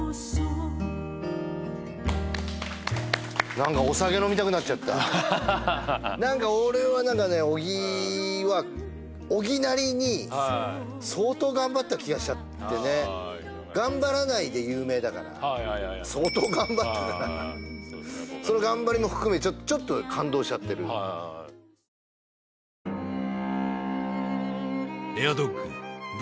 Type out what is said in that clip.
何かお酒飲みたくなっちゃった俺は小木は小木なりに相当頑張った気がしちゃってね頑張らないで有名だからはいはい相当頑張ってたなその頑張りも含めちょっと感動しちゃってるこの間小木と会ってさ「三村さん」